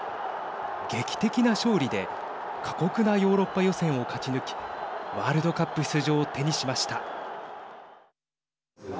劇的な勝利で過酷なヨーロッパ予選を勝ち抜きワールドカップ出場を手にしました。